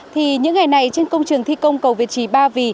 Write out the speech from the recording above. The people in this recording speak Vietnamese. thì những ngày này trên công trường thi công cầu việt trì ba vì